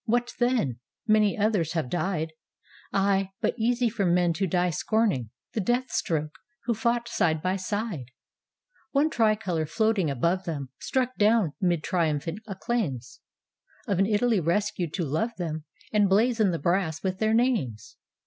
What then? many others have died. Ay, but easy for men to die scorning The death stroke, who fought side by side; One tricolor floating above them; Struck down 'mid triumphant acclaims Of an Italy rescued to love them And blazon the brass with their names.